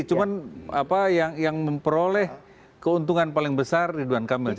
cuma yang memperoleh keuntungan paling besar ridwan kamil